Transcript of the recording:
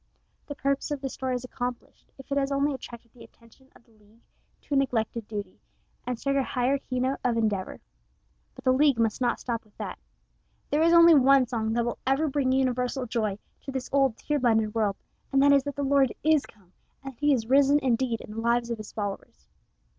The purpose of this story is accomplished if it has only attracted the attention of the League to a neglected duty, and struck a higher key note of endeavor. But the League must not stop with that. There is only one song that will ever bring universal joy to this old, tear blinded world, and that is that the Lord is come, and that he is risen indeed in the lives of his followers.